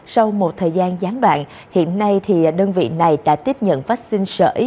sau một thời gian gián đoạn hiện nay đơn vị này đã tiếp nhận vaccine sở ý